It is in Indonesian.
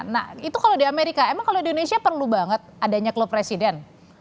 nah itu kalau di amerika emang kalau di indonesia perlu banget adanya klub presiden